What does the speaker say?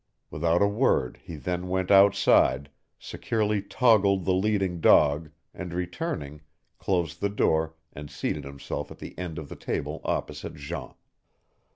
Without a word he then went outside, securely toggled the leading dog, and returning, closed the door and seated himself at the end of the table opposite Jean.